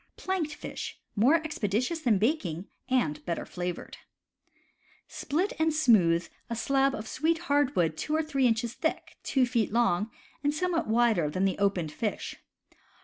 Planked Fish. — More expeditious than baking, and better flavored. Split and smoothe a slab of sweet hardwood two or three inches thick, two feet long, and somewhat wider than the opened fish.